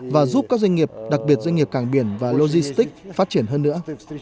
và giúp các doanh nghiệp đặc biệt doanh nghiệp cảng biển và logistic phát triển hơn nữa